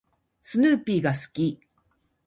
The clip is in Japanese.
スヌーピーが好き。